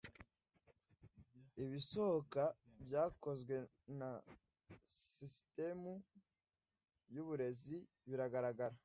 Ibisohoka byakozwe na sisitemu yuburezi biragaragara